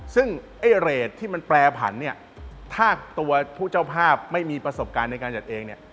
ซึ่งไอ้เรทที่มันแปรผันเนี่ยถ้าตัวผู้เจ้าภาพไม่มีประสบการณ์ในการจัดเองเนี่ย